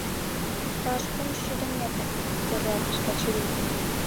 — Иктаж кумшӱдӧ метр, — тӧрлатыш Качырий.